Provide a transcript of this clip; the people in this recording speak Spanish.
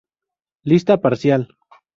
Lista parcial